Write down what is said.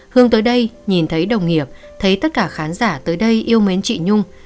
hướng tới đây nhìn thấy đồng nghiệp thấy tất cả khán giả tới đây yêu mến chị nhung